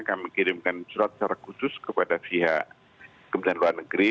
kami kirimkan surat secara khusus kepada pihak kementerian luar negeri